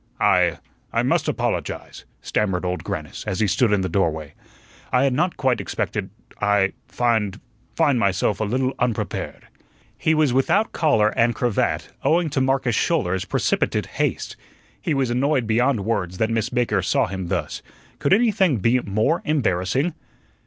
"I I must apologize," stammered Old Grannis, as he stood in the doorway. "I had not quite expected I find find myself a little unprepared." He was without collar and cravat, owing to Marcus Schouler's precipitate haste. He was annoyed beyond words that Miss Baker saw him thus. Could anything be more embarrassing?